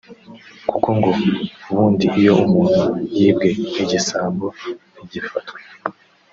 kuko ngo ubundi iyo umuntu yibwe igisambo ntigifatwe